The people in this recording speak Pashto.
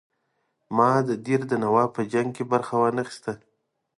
ما د دیر د نواب په جنګ کې برخه وانه خیستله.